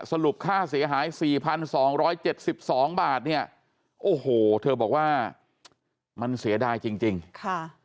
สรุปค่าเสียหาย๔๒๗๒บาทเนี่ยโอ้โหเธอบอกว่ามันเสียได้จริงค่ะ